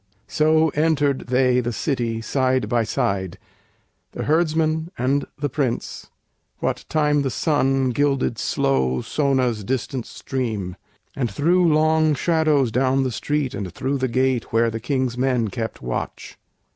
So entered they the city side by side, The herdsmen and the Prince, what time the sun Gilded slow Sona's distant stream, and threw Long shadows down the street and through the gate Where the King's men kept watch.